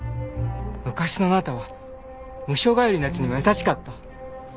昔のあなたはムショ帰りの奴にも優しかった。